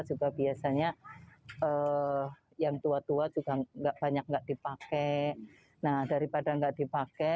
juga biasanya yang tua tua juga enggak banyak enggak dipakai nah daripada enggak dipakai